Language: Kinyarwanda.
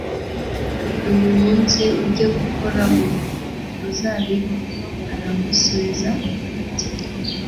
uyu munsi ujye gukora mu ruzabibu aramusubiza ati